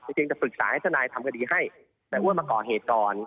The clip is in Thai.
จริงจะปรึกษาให้ทนายทำคดีให้แต่อ้วนมาก่อเหตุก่อน